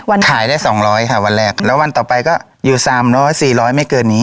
ขายได้สองร้อยค่ะวันแรกแล้ววันต่อไปก็อยู่สามร้อยสี่ร้อยไม่เกินนี้